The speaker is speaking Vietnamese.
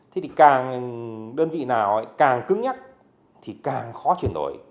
thì càng đơn vị nào càng cứng nhắc thì càng khó chuyển đổi